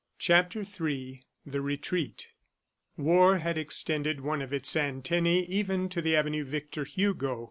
CHAPTER III THE RETREAT War had extended one of its antennae even to the avenue Victor Hugo.